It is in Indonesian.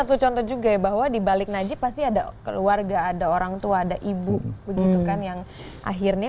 untuk juga bahwa dibalik najib pasti ada keluarga ada orangtua ada ibu menggunakan yang akhirnya